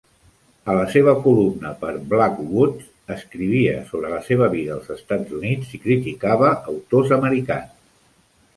A la seva columna per "Blackwood's" escrivia sobre la vida als Estats Units i criticava autors americans.